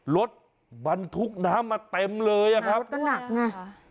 รถบันทุกค์น้ำมาเต็มเลยยะระดนากมัน